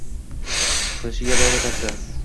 qilishga iroda topdi.